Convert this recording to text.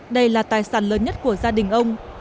đây là tài sản lớn nhất của gia đình ông